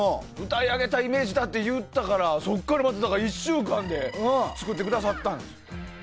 歌い上げたイメージって言ったからそこからまた１週間で作ってくださったんですよ。